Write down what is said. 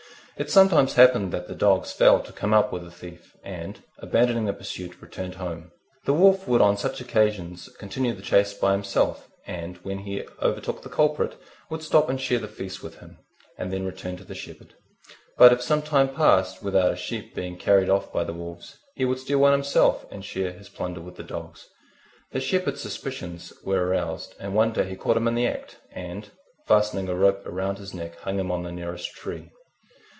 It sometimes happened that the dogs failed to come up with the thief, and, abandoning the pursuit, returned home. The Wolf would on such occasions continue the chase by himself, and when he overtook the culprit, would stop and share the feast with him, and then return to the Shepherd. But if some time passed without a sheep being carried off by the wolves, he would steal one himself and share his plunder with the dogs. The Shepherd's suspicions were aroused, and one day he caught him in the act; and, fastening a rope round his neck, hung him on the nearest tree.